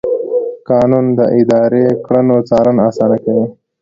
قانون د اداري کړنو څارنه اسانه کوي.